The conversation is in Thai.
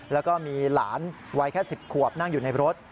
แล้วก็มีหลานวัยแค่๑๐ขวบนั่งอยู่ในรถ